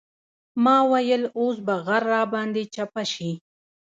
ما ويل اوس به غر راباندې چپه سي.